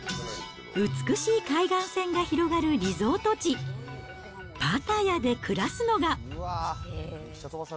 美しい海岸線が広がるリゾート地、パタヤで暮らすのが。